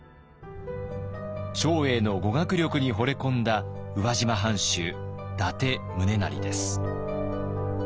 長英の語学力にほれ込んだ宇和島藩主伊達宗城です。